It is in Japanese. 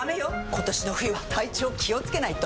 今年の冬は体調気をつけないと！